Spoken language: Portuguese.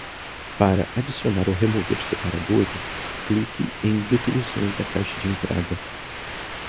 Para adicionar ou remover separadores, clique em definições da caixa de entrada.